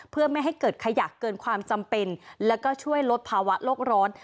เพื่อไม่ให้เกิดขยะเกินความจำเป็นแล้วก็ช่วยลดภาวะโลกร้อน